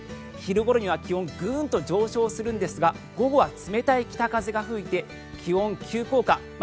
昼ごろには気温がグーンと上昇するんですが午後は冷たい北風が吹いて気温、急降下。